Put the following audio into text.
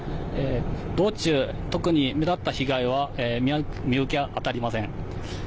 道中、特に目立った被害は見当たりません。